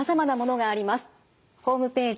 ホームページ